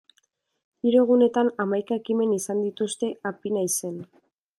Hiru egunetan hamaika ekimen izan dituzte Apinaizen.